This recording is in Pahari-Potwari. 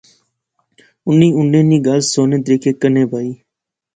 اُنی انیں نی گل سوہنے طریقے کنے بائی